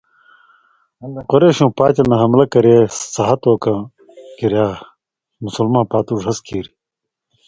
قُریشؤں پاتیۡ نہ حملہ کرے سہت اوکاں کِریا مُسلماں پاتُو ڙھس کیریۡ۔